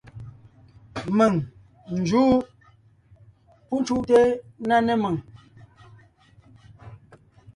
Mèŋ n jǔʼ. Pú cúʼte ńná né mèŋ.